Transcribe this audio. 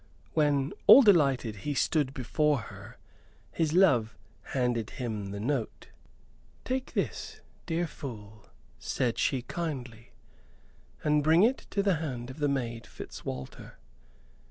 When, all delighted, he stood before her, his love handed him the note. "Take this, dear fool," said she, kindly, "and bring it to the hand of the maid Fitzwalter.